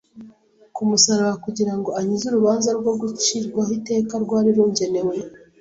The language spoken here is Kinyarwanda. ku musaraba kugira ngo ankize urubanza no gucirwaho iteka rwari rungenewe.